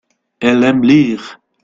Elle aime lire.